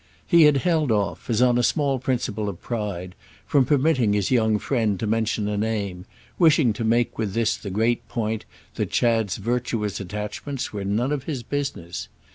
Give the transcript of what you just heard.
He had held off, as on a small principle of pride, from permitting his young friend to mention a name; wishing to make with this the great point that Chad's virtuous attachments were none of his business.